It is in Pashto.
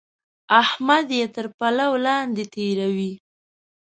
احمد يې تر پلو لاندې تېروي.